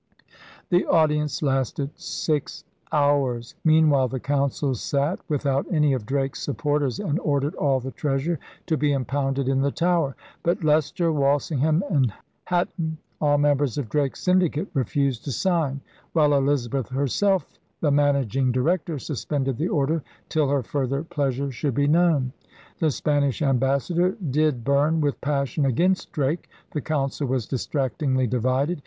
The audience lasted six hours. Meanwhile the Council sat without any of Drake's supporters and ordered all the treasure to be impounded in the Tower. But Leicester, Walsingham, and Hat ton, all members of Drake's syndicate, refused to sign; while Elizabeth herself, the managing di rector, suspended the order till her further pleasure should be known. The Spanish ambassador * did burn with passion against Drake. ' The Council was distractingly divided.